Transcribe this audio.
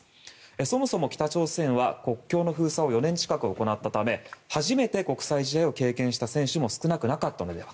そもそも北朝鮮は国境の封鎖を４年近く行ったため初めて国際試合を経験した選手も少なくなかったのでは。